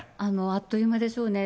あっという間ですよね。